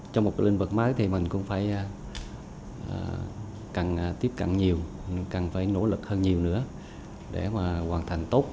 trong một lĩnh vực mới thì mình cũng phải càng tiếp cận nhiều càng phải nỗ lực hơn nhiều nữa để hoàn thành tốt